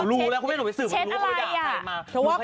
ฉันรู้แล้วคุณแม่หนูไปสื่อมันรู้ว่าคุณแขว่าใครมาเช็ดอะไร